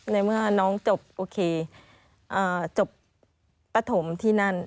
ในเมื่อน้องจบโอเคจบปฐมที่นั่น